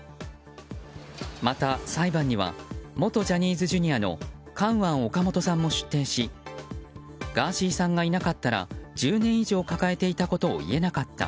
また、裁判には元ジャニーズＪｒ．のカウアン・オカモトさんも出廷しガーシーさんがいなかったら１０年以上抱えていたことを言えなかった。